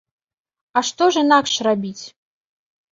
А што ж інакш рабіць?